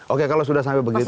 oke kalau sudah sampai begitu